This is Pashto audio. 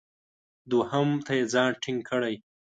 دوهم ته یې ځان ټینګ کړی.